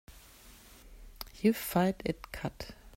You fight it cut.